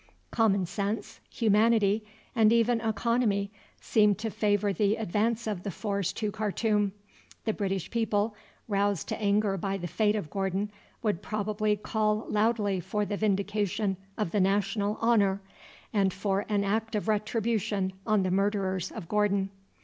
Common sense, humanity, and even economy seemed to favour the advance of the force to Khartoum. The British people, roused to anger by the fate of Gordon, would probably call loudly for the vindication of the national honour, and for an act of retribution on the murderers of Gordon.